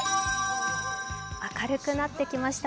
明るくなってきました。